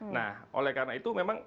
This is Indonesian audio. nah oleh karena itu memang